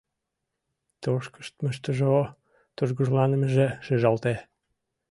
Тошкыштмыштыжо тургыжланымыже шижалте.